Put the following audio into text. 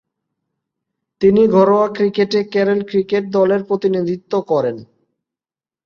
তিনি ঘরোয়া ক্রিকেটে কেরল ক্রিকেট দলের প্রতিনিধিত্ব করেন।